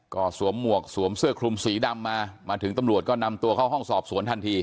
ก็สวมหมวกสวมเสื้อคลุมสีดำมามาถึงตำรวจก็นำตัวเข้าห้องสอบสวนทันที